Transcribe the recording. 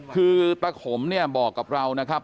คือปะขมบอกกับเรานะครับ